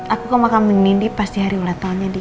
aku ke makamnya nindi pas di hari ulat tolnya dia